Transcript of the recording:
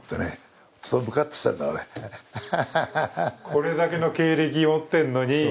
これだけの経歴を持っているのに？